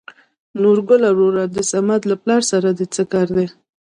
نورګله وروره د سمد له پلار سره د څه کار دى ؟